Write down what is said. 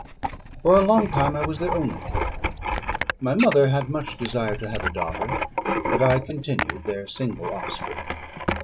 For a long time I was their only care. My mother had much desired to have a daughter, but I continued their single offspring.